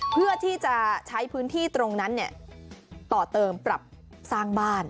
เพื่อที่จะใช้พื้นที่ตรงนั้นต่อเติมปรับสร้างบ้าน